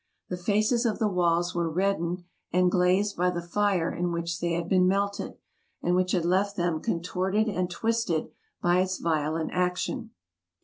The faces of the walls were reddened and glazed by the fire in which they had been melted, and which had left them contorted and twisted by its violent action.